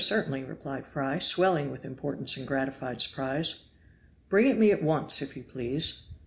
certainly!" replied Fry, swelling with importance and gratified surprise. "Bring it me at once, if you please."